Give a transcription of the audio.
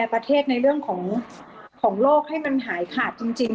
ประเทศในเรื่องของโลกให้มันหายขาดจริง